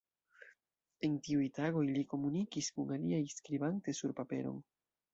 En tiuj tagoj li komunikis kun aliaj skribante sur paperon.